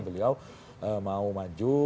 beliau mau maju